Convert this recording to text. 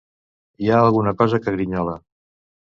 Hi ha alguna cosa que grinyola.